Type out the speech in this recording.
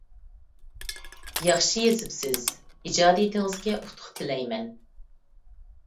ياخشى يېزىپسىز، ئىجادىيىتىڭىزگە ئۇتۇق تىلەيمەن.